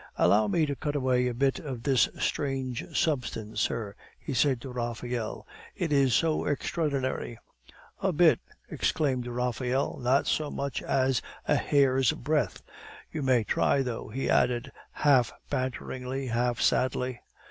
"Allow me to cut away a bit of this strange substance, sir," he said to Raphael; "it is so extraordinary " "A bit!" exclaimed Raphael; "not so much as a hair's breadth. You may try, though," he added, half banteringly, half sadly.